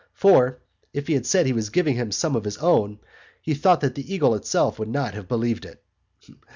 For, if he had said he was giving him some of his own, he thought that the eagle itself would not have believed it.